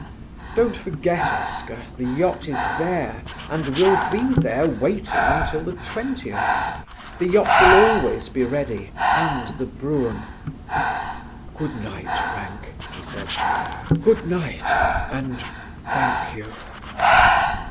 Don't forget, Oscar, the yacht is there and will be there waiting until the 20th; the yacht will always be ready and the brougham." "Good night, Frank," he said, "good night, and thank you."